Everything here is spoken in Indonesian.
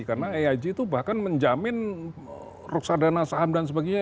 karena eig itu bahkan menjamin ruksadana saham dan sebagainya